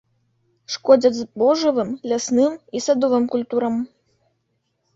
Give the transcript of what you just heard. Шкодзяць збожжавым, лясным і садовым культурам.